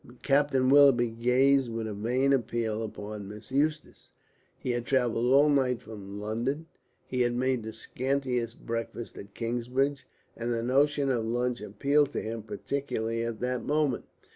Captain Willoughby gazed with a vain appeal upon Miss Eustace. He had travelled all night from London, he had made the scantiest breakfast at Kingsbridge, and the notion of lunch appealed to him particularly at that moment.